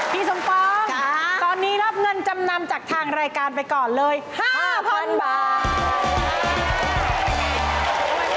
พี่สมปองตอนนี้รับเงินจำนำจากทางรายการไปก่อนเลย๕๐๐๐บาท